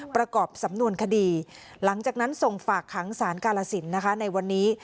ประกอบสำนวนคดีหลังจากนั้นส่งฝากขังสารกาลสินนะคะในวันนี้